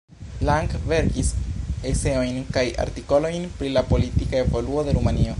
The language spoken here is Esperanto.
Lang verkis eseojn kaj artikolojn pri la politika evoluo de Rumanio.